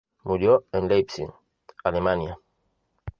Murió en Leipzig, Alemania.